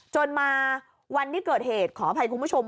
จนมาวันที่เกิดเหตุขออภัยคุณผู้ชม